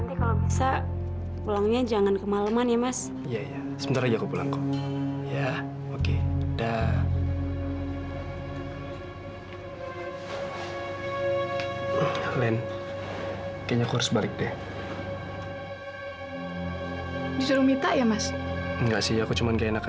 itu kan tergantung mas mau apa enggak